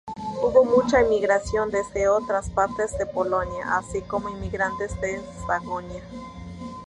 Hubo mucha inmigración desde otras partes de Polonia, así como inmigrantes de Sajonia.